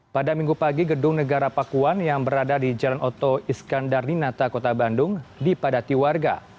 pada minggu pagi gedung negara pakuan yang berada di jalan oto iskandar ninata kota bandung dipadati warga